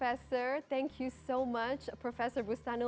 terima kasih banyak prof bustanu